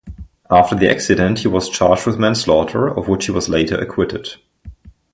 After the accident he was charged with manslaughter, of which he was later acquitted.